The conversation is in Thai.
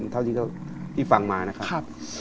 เท่านี้พี่ฟังมานะครับครับ